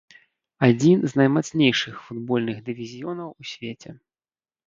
Адзін з наймацнейшых футбольных дывізіёнаў ў свеце.